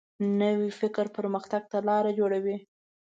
نوی فکر پرمختګ ته لاره جوړوي